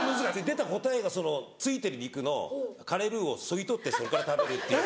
出た答えがその付いてる肉のカレールーをそぎ取ってそこから食べるっていう。